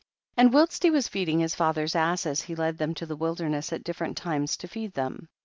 29. And whilst he was feeding his father's asses he led them to the wilderness at different times to feed them.